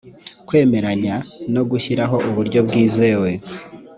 kwemeranya no gushyiraho uburyo bwizewe